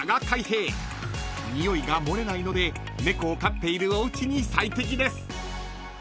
［臭いが漏れないので猫を飼っているおうちに最適です］